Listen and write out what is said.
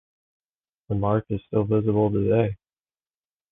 The mark is still visible today.